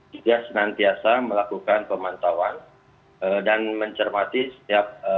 kita senantiasa melakukan pemantauan dan mencermati setiap proses